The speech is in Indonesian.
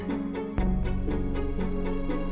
tuhan aku mau nyunggu